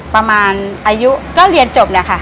ประมาณอายุก็เรียนจบแหละค่ะ